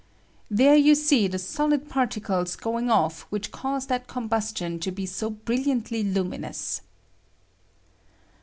] There you see the ' Bolid particles going off which cause that com bustion to be so brilliantly luminous.